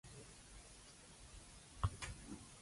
柴米油鹽醬醋茶